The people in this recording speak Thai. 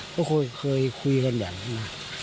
ก็เคยคุยกันแบบนั้น